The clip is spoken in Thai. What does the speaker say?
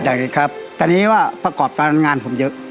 อย่างนี้ครับแต่นี้ว่าประกอบตรงงานผมเยอะ